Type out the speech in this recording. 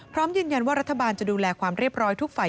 พร้อมยืนยันว่ารัฐบาลจะดูแลความเรียบร้อยทุกฝ่าย